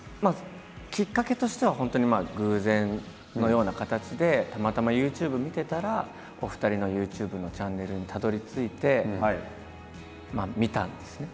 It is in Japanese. きっかけとしては本当に偶然のような形でたまたまＹｏｕＴｕｂｅ見てたらお二人のＹｏｕＴｕｂｅのチャンネルにたどりついて見たんですね。